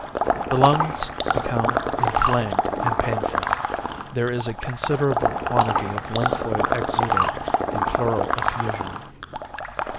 The lungs become inflamed and painful. There is a considerable quantity of lymphoid exudate and pleural effusion.